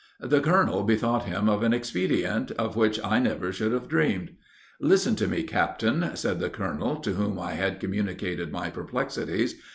The colonel bethought him of an expedient, of which I never should have dreamed." "'Listen to me, captain,' said the colonel, to whom I had communicated my perplexities.